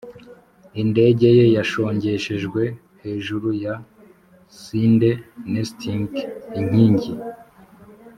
indege ye yashongeshejwe hejuru ya cinder-nesting inkingi,